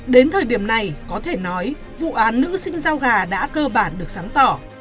đến thời điểm này có thể nói vụ án nữ sinh giao gà đã cơ bản được sáng tỏ